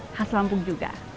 khas lampung juga